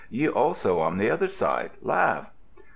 Ye also, on the other side, laugh."